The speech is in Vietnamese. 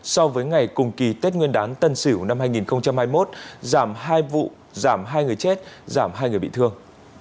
so với ngày cùng kỳ tết nguyên đán tân sỉu năm hai nghìn hai mươi một giảm hai vụ giảm hai người chết giảm hai người bị thương